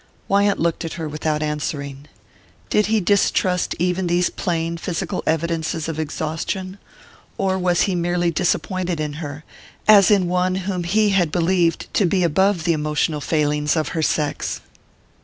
Wyant looked at her without answering. Did he distrust even these plain physical evidences of exhaustion, or was he merely disappointed in her, as in one whom he had believed to be above the emotional failings of her sex?